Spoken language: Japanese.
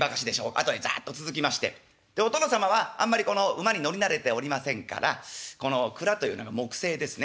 あとへざっと続きましてお殿様はあんまりこの馬に乗り慣れておりませんからこの鞍というのが木製ですね。